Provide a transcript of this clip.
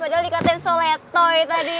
padahal dikatain soletoy tadi